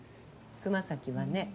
熊咲はね